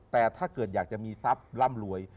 แต่ถ้าเกิดอยากจะมีทรัพย์ร่ำรวย